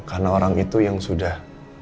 karena orang itu yang sudah